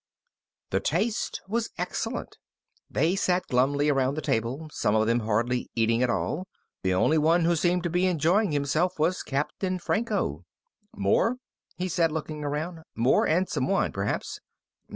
The taste was excellent. They sat glumly around the table, some of them hardly eating at all. The only one who seemed to be enjoying himself was Captain Franco. "More?" he said, looking around. "More? And some wine, perhaps."